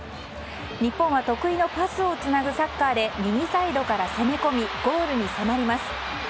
日本は得意のパスをつなぐサッカーで右サイドから攻め込みゴールに迫ります。